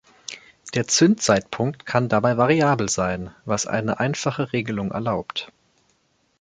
Der Zündzeitpunkt kann dabei variabel sein, was eine einfache Regelung erlaubt.